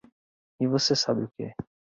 E você sabe o que?